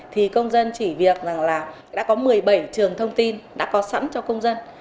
thì công dân chỉ việc rằng là đã có một mươi bảy trường thông tin đã có sẵn cho công dân